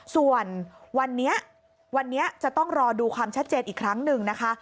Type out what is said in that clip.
ส่วนวันนี้วันนี้จะต้องรอดูความชัดเจนอีกครั้งหนึ่งนะคะ